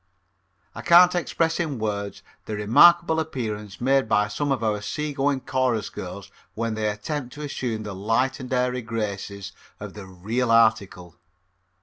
I can't express in words the remarkable appearance made by some of our seagoing chorus girls when they attempt to assume the light and airy graces of the real article.